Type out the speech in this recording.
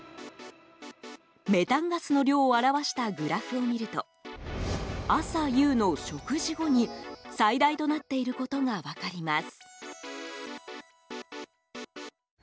メタンガスの量を表したグラフを見ると朝夕の食事後に、最大となっていることが分かります。